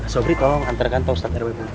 sobri tolong antarkan pak ustadz rw